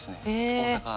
大阪。